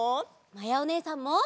まやおねえさんも。